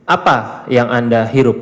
apa yang anda hirup